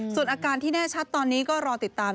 ส่วนอาการที่แน่ชัดตอนนี้ก็รอติดตาม